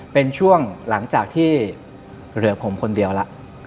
เป็นช่วงหลังจากที่เหลือผมคนเดียวแล้ว